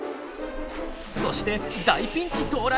そして大ピンチ到来！